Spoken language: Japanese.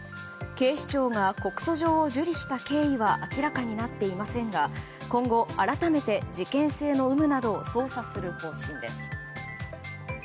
警視庁が告訴状を受理した経緯は明らかになっていませんが今後、改めて事件性の有無などを捜査する方針です。